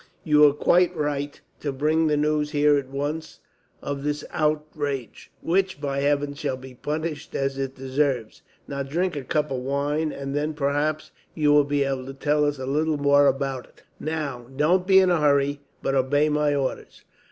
"You were quite right to bring the news here at once of this outrage; which, by heavens, shall be punished as it deserves. Now drink a cup of wine, and then perhaps you will be able to tell us a little more about it. Now don't be in a hurry, but obey my orders."